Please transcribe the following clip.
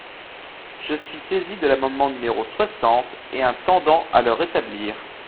Je suis saisi de l’amendement numéro soixante et un tendant à le rétablir.